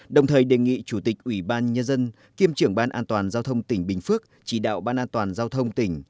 đồng thời đề nghị chủ tịch ủy ban nhân dân kiêm trưởng ban an toàn giao thông tỉnh bình phước chỉ đạo ban an toàn giao thông tỉnh